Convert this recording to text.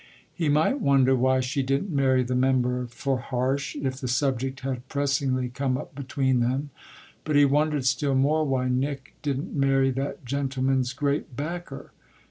He might wonder why she didn't marry the member for Harsh if the subject had pressingly come up between them; but he wondered still more why Nick didn't marry that gentleman's great backer.